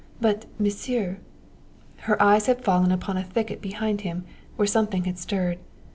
But, Monsieur " Her eyes had fallen upon a thicket behind him where something had stirred.